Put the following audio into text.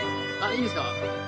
いいんですか？